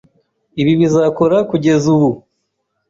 Ibi bizakora kugeza ubu.